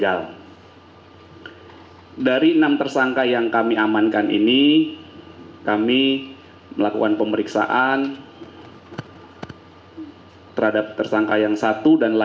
ini videonya bisa kita saksikan bersama sama